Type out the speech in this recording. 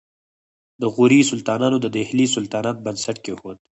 د غوري سلطانانو د دهلي سلطنت بنسټ کېښود